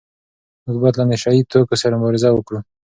موږ باید له نشه يي توکو سره مبارزه وکړو.